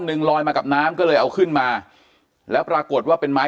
หนึ่งลอยมากับน้ำก็เลยเอาขึ้นมาแล้วปรากฏว่าเป็นไม้